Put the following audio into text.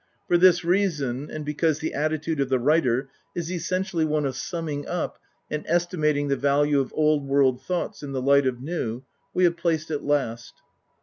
For this reason, and because the attitude of the writer is essentially one of summing up and estimating the value of old world thoughts in the light of new, we have placed it last.